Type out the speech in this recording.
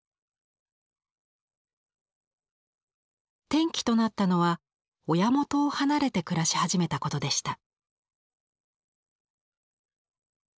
転機となったのは親元を離れて暮らし始めたことでした。